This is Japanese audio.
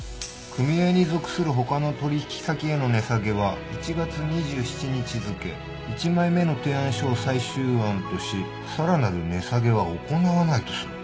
「組合に属する他の取引先への値下げは１月２７日付１枚目の提案書を最終案とし更なる値下げは行わないとする」